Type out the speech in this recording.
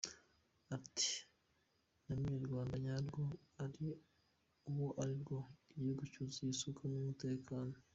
Ati “Namenye u Rwanda nyarwo uwo arirwo, igihugu cyuzuye isuku n’umutekano.